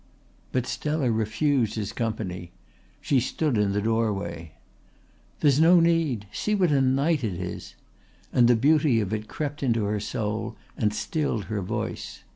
But Stella refused his company. She stood in the doorway. "There's no need! See what a night it is!" and the beauty of it crept into her soul and stilled her voice.